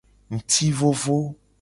Ngti vovo.